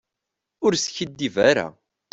Ur skiddib ara.